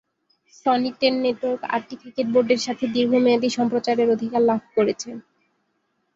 Sony ten network আটটি cricket বোর্ডের সাথে দীর্ঘমেয়াদী সম্প্রচারের অধিকার লাভ করেছে।